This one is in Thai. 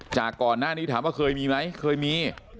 จากก่อนหน้านี้ถามว่าเคยมีไหมเคยมี